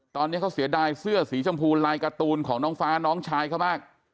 ตอนนี้เขาเสียดายเสื้อสีชมพูลายการ์ตูนของน้องฟ้าน้องชายเขามาก